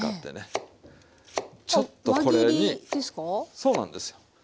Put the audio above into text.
そうなんですよ。